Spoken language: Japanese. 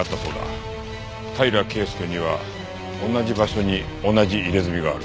平良圭介には同じ場所に同じ入れ墨がある。